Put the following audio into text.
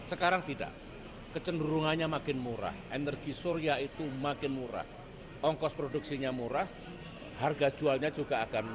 sekarang tidak kecenderungannya makin murah energi surya itu makin murah ongkos produksinya murah harga jualnya juga akan